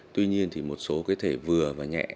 tuy nhiên thì một số cái thể vừa và nhẹ